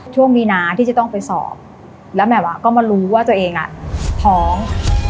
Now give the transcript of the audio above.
ช่วงมีนาที่จะต้องไปสอบแล้วแหม่มก็มารู้ว่าตัวเองท้อง